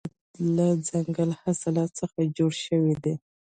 د افغانستان طبیعت له دځنګل حاصلات څخه جوړ شوی دی.